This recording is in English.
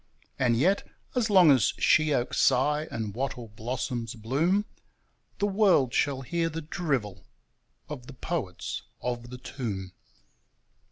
And yet, as long as sheoaks sigh and wattle blossoms bloom, The world shall hear the drivel of the poets of the tomb.